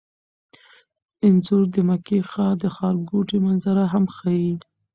انځور د مکې ښار د ښارګوټي منظره هم ښيي.